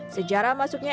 sejarah masuknya smp